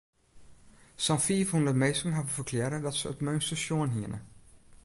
Sa'n fiifhûndert minsken hawwe ferklearre dat se it meunster sjoen hiene.